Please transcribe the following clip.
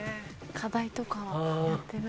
課題とかやってるんだ。